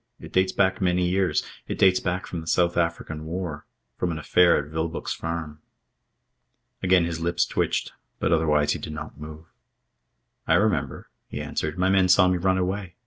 It dates back many years. It dates back from the South African War. From an affair at Vilboek's Farm." Again his lips twitched; but otherwise he did not move. "I remember," he answered. "My men saw me run away.